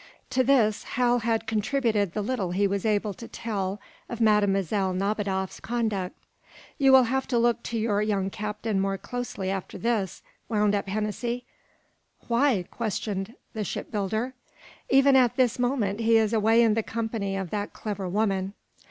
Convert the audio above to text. To this Hal had contributed the little he was able to tell of Mlle. Nadiboff's conduct. "You will have to look to your young captain more closely after this," wound up Hennessy. "Why?" questioned the shipbuilder. "Even at this moment he is away in the company of that clever woman."